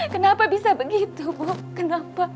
kenapa bisa begitu bu kenapa